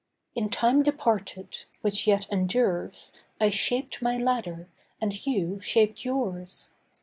In time departed (which yet endures) I shaped my ladder, and you shaped yours.